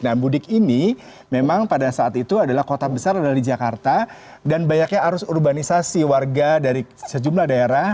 nah mudik ini memang pada saat itu adalah kota besar adalah di jakarta dan banyaknya arus urbanisasi warga dari sejumlah daerah